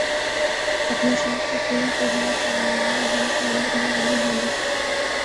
اپنا شوق کوپورا کرنا کا لئے یِہ تالاب میں آنا ہونا